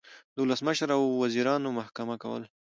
د ولسمشر او وزیرانو محکمه کول